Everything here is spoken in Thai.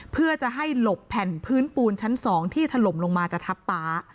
เพื่อจะให้หลบแผ่นพื้นปูนชั้น๒ที่ถล่มลงมาจะทับป๊า